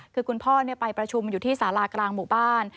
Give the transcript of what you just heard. คือคุณพ่อไปประชุมอยู่ที่สารากลางหมู่บ้าน